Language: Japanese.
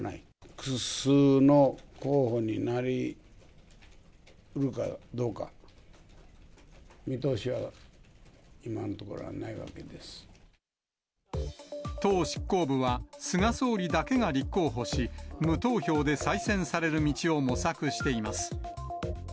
複数の候補になりうるかどうか、見通しは今のところはないわけで党執行部は、菅総理だけが立候補し、無投票で再選される道を模索しています。